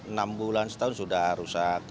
enam bulan setahun sudah rusak